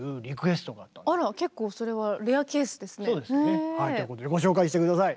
そうですよね。ということでご紹介して下さい。